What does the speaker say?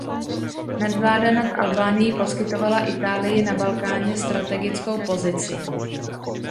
Nadvláda nad Albánií poskytovala Itálii na Balkáně strategickou pozici.